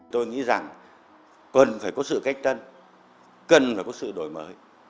tôi nghĩ rằng cần phải có sự cách tân cần phải có sự đổi mới